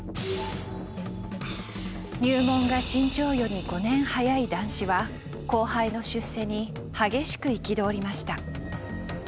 入門が志ん朝より５年早い談志は後輩の出世に激しく憤りました。